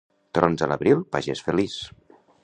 Trons a l'abril, pagès feliç.